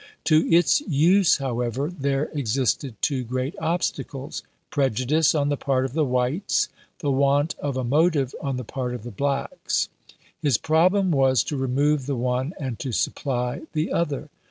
To its use, however, there existed two great obstacles — prejudice on the part of the whites, the want of a motive on the part of the blacks. His problem was to remove the one and to supply the other.